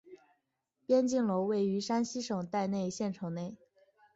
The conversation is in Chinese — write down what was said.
边靖楼位于山西省代县城内。